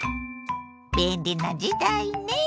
便利な時代ねえ。